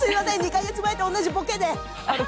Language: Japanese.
２か月前と同じボケで！